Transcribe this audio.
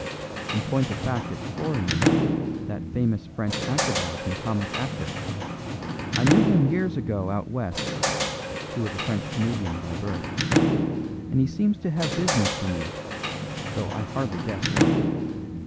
In point of fact it's Florian, that famous French acrobat and comic actor; I knew him years ago out West (he was a French Canadian by birth), and he seems to have business for me, though I hardly guess what."